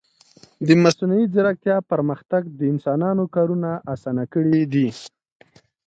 د مصنوعي ځیرکتیا پرمختګ د انسانانو کارونه آسانه کړي دي.